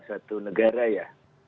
satu negara ya